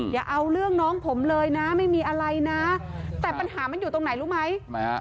อย่าเอาเรื่องน้องผมเลยนะไม่มีอะไรนะแต่ปัญหามันอยู่ตรงไหนรู้ไหมทำไมฮะ